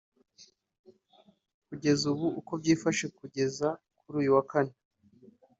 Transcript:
Kugeza ubu uko byifashe kugeza kuri uyu kane